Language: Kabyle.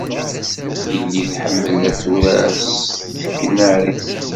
Yelli tḥemmel ad turar s teknarin.